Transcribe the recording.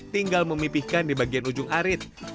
tinggal memipihkan di bagian ujung arit